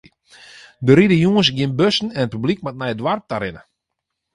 Der ride jûns gjin bussen en it publyk moat nei it doarp ta rinne.